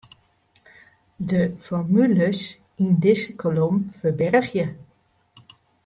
De formules yn dizze kolom ferbergje.